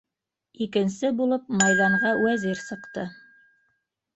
Икенсе булып майҙанға Вәзир сыҡты.